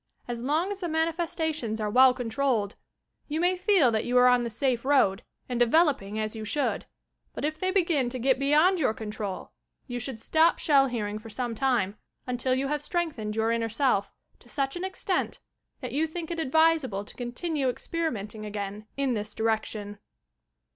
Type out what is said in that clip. As long as the manifestations are well controlled, you may feel that you are on the safe road, and developing as you should; but if they begin to get beyond your control, you should stop Shell Hearing for some time, until you have strengthened your inner self, to such an extent, that you think it advisable to continue experimenting again in this direction.